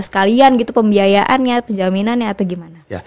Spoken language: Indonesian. sekalian gitu pembiayaannya penjaminannya atau gimana